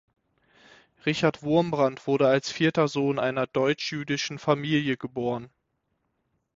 Richard Wurmbrand wurde als vierter Sohn einer deutsch-jüdischen Familie geboren.